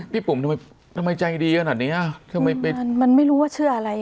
ปุ่มทำไมทำไมใจดีขนาดเนี้ยทำไมเป็นมันมันไม่รู้ว่าเชื่ออะไร